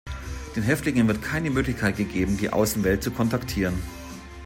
Den Häftlingen wird keine Möglichkeit gegeben, die Außenwelt zu kontaktieren.